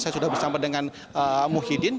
saya sudah bersama dengan muhyiddin